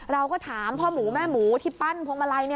เราก็ถามพ่อหมูแม่หมูที่ปั้นพวงมาลัย